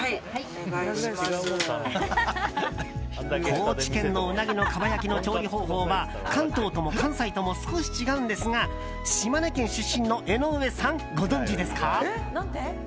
高知県のウナギのかば焼きの調理方法は関東とも関西とも少し違うんですが島根県出身の江上さんご存じですか？